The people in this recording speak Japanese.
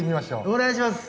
お願いします！